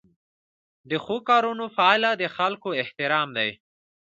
د ښو کارونو پایله د خلکو احترام دی.